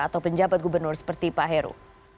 atau penjabat gubernur seperti pak heru